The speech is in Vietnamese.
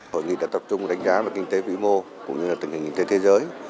hội nghị đã tập trung đánh giá về kinh tế vĩ mô cũng như là tình hình kinh tế thế giới